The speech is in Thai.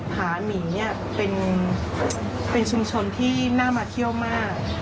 ผาหมีเนี่ยเป็นชุมชนที่น่ามาเที่ยวมาก